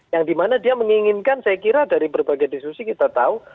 yang dimana dia menginginkan saya kira dari berbagai diskusi kita tahu